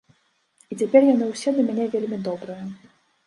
І цяпер яны ўсё да мяне вельмі добрыя!